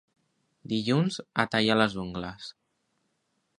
Dilluns, a tallar les ungles.